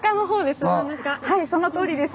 はいそのとおりです。